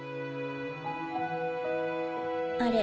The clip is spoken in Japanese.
あれ？